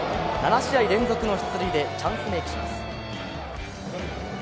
７試合連続の出塁でチャンスメークします。